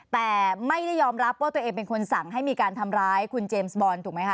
แต่ไม่ได้ยอมรับว่าตัวเองเป็นคนสั่งให้มีการทำร้ายคุณเจมส์บอลถูกไหมคะ